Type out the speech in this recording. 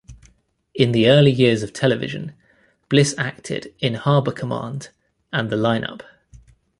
In the early years of television, Bliss acted in "Harbor Command" and "The Lineup".